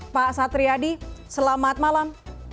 pak satriadi selamat malam